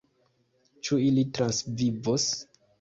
Ĉu ili transvivos?